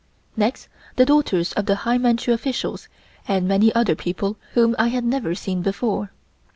Next, the daughters of the high Manchu officials and many other people whom I had never seen before.